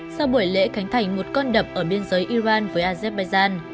sau buổi lễ khánh thành một con đập ở biên giới iran với azerbaijan